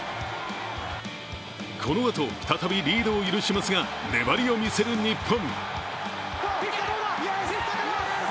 このあと再びリードを許しますが粘りを見せる日本。